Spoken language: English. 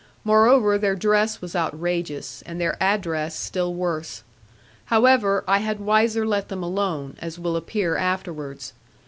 Moreover their dress was outrageous, and their address still worse. However, I had wiser let them alone, as will appear afterwards.